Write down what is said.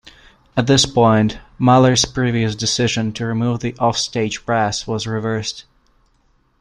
At this point, Mahler's previous decision to remove the off-stage brass was reversed.